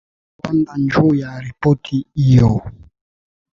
simamo wa rwanda juu ya ripoti hiyo